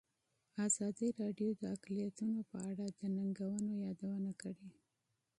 ازادي راډیو د اقلیتونه په اړه د ننګونو یادونه کړې.